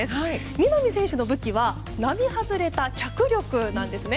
南選手の武器は並外れた脚力なんですね。